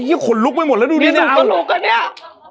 ขาดเลยเอาหลุดเลยเอายาวเลยเอา